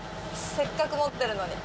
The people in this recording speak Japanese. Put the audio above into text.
せっかく持ってるのに。